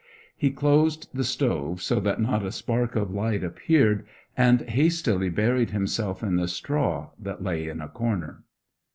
He closed the stove, so that not a spark of light appeared, and hastily buried himself in the straw that lay in a corner.